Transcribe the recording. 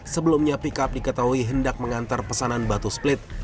sebelumnya pickup diketahui hendak mengantar pesanan batu split